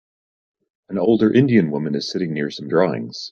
An older Indian woman is sitting near some drawings.